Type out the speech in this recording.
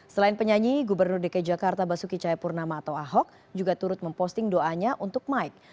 selain penyanyi gubernur dki jakarta basuki cahayapurnama atau ahok juga turut memposting doanya untuk mike